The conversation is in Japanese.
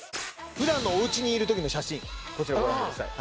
普段のおうちにいる時の写真こちらご覧ください